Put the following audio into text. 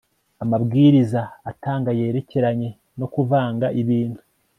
amabwiriza atanga yerekeranye no kuvanga ibintu